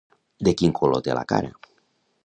De quin color té la cara?